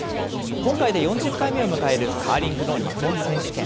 今回で４０回目を迎えるカーリングの日本選手権。